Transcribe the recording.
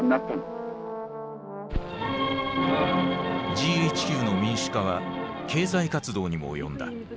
ＧＨＱの民主化は経済活動にも及んだ。